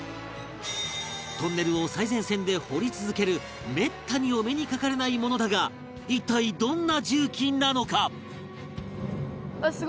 トンネルを最前線で掘り続けるめったにお目にかかれないものだが一体どんな重機なのか？